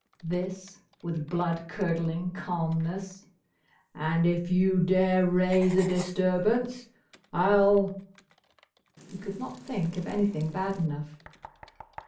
this with blood curdling calmness. "And if you dare raise a disturbance, I 'll—" he could not think of anything bad enough.